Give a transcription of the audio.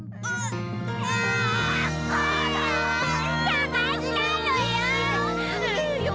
さがしたのよ！